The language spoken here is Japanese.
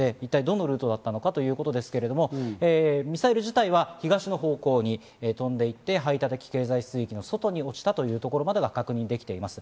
どのルートだったのかということですが、ミサイル自体は東の方向に飛んでいって、排他的経済水域の外に落ちたというところまでは確認できています。